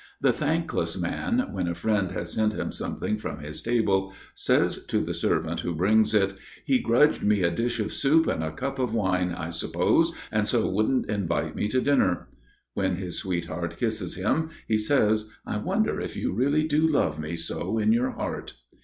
The thankless man, when a friend has sent him something from his table, says to the servant who brings it, "He grudged me a dish of soup and a cup of wine, I suppose, and so wouldn't invite me to dinner." When his sweetheart kisses him, he says, "I wonder if you really do love me so in your heart."